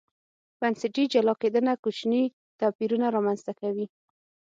بنسټي جلا کېدنه کوچني توپیرونه رامنځته کوي.